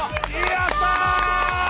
やった！